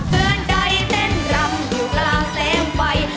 เตือนใดเต้นรำหูกราแสงไฟ